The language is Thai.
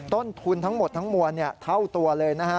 ต้นทุนทั้งหมดทั้งมวลเท่าตัวเลยนะฮะ